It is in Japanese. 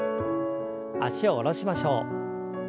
脚を下ろしましょう。